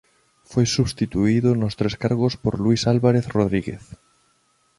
Foi substituído nos tres cargos por Luís Álvarez Rodríguez.